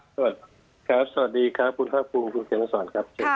สวัสดีครับสวัสดีครับคุณภาคภูมิคุณเตรียมนักสรรค์ครับ